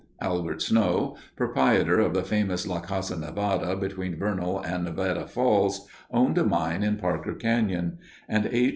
Albert Snow, proprietor of the famous La Casa Nevada between Vernal and Nevada falls, owned a mine in Parker Canyon; and A.